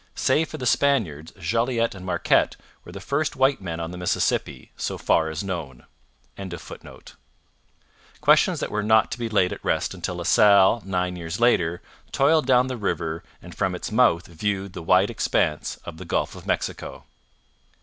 Save for the Spaniards, Jolliet and Marquette were the first white men on the Mississippi, so far as known.] questions that were not to be laid at rest until La Salle, nine years later, toiled down the river and from its mouth viewed the wide expanse of the Gulf of Mexico.